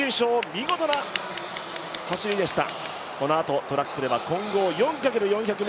見事な走りでした。